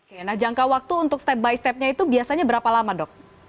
oke nah jangka waktu untuk step by stepnya itu biasanya berapa lama dok